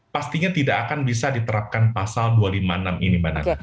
pastinya tidak akan bisa diterapkan pasal dua ratus lima puluh enam ini mbak nana